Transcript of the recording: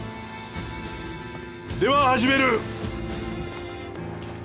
では始める！